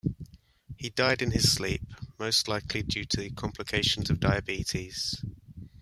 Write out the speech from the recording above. He died in his sleep, most likely due to complications of diabetes.